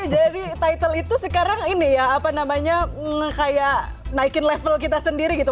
jadi title itu sekarang ini ya apa namanya kayak naikin level kita sendiri gitu